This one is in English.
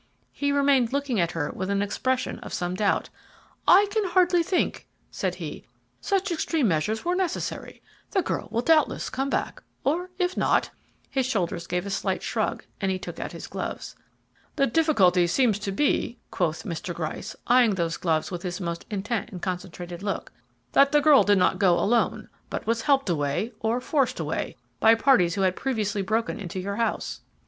He remained looking at her with an expression of some doubt. "I can hardly think," said he, "such extreme measures were necessary; the girl will doubtless come back, or if not " His shoulders gave a slight shrug and he took out his gloves. "The difficulty seems to be," quoth Mr. Gryce eyeing those gloves with his most intent and concentrated look, "that the girl did not go alone, but was helped away, or forced away, by parties who had previously broken into your house."